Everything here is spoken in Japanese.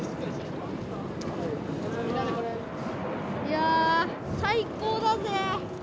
いやあ、最高だぜ。